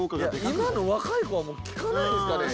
今の若い子はもう聞かないですかね？